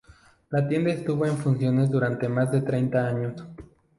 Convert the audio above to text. La tienda estuvo en funciones durante más de treinta años.